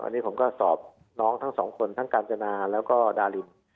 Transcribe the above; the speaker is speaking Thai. อันนี้ผมก็สอบน้องทั้งสองคนทั้งกาญจนาแล้วก็ดาริน